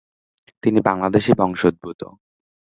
তিনি বাংলাদেশি বংশোদ্ভূত।